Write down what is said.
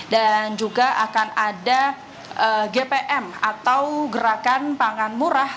dan juga akan ada gpm atau gerakan pangan murah